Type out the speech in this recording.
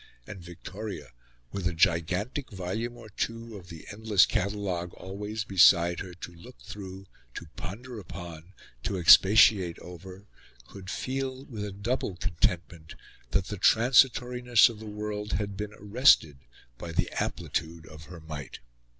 And Victoria, with a gigantic volume or two of the endless catalogue always beside her, to look through, to ponder upon, to expatiate over, could feel, with a double contentment, that the transitoriness of this world had been arrested by the amplitude of her might.